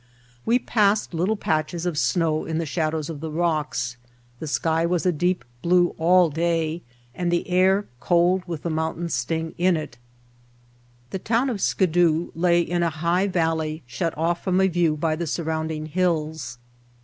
We passed little patches of snow in the shadows of the rocks. The sky was a deep blue all day and the air cold with the mountain sting in it. The town of Skidoo lay in a high valley shut off from a view by the surrounding hills.